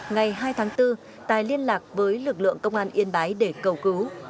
ngày hai tháng bốn tài liên lạc với lực lượng công an yên bái để cầu cứu